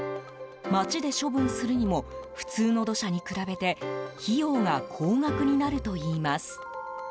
町で処分するにも普通の土砂に比べて費用が高額になるといいます。